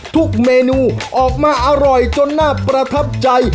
ทุกเมนูออกมาอร่อยจนน่าประทับใจ